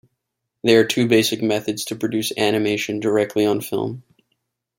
There are two basic methods to produce animation directly on film.